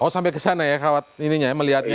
oh sampai kesana ya melihatnya ya